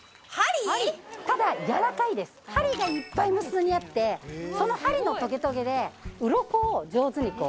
ただやわらかいです針がいっぱい無数にあってその針のとげとげで鱗を上手にこう。